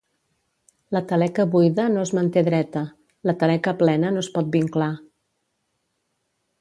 La taleca buida no es manté dreta; la taleca plena no es pot vinclar.